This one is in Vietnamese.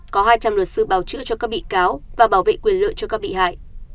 có hai trăm linh luật sư bào chữa cho các bị cáo và bảo vệ quyền lợi cho các bị hại